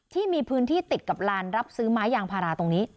ที่มีพื้นที่ติดกับลานรับซื้อไม้ยางพาราตรงนี้